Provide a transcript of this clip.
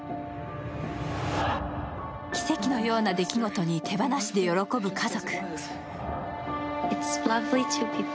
奇跡のような出来事に手放しで喜ぶ家族。